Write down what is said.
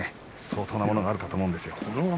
相当なものがあると思います。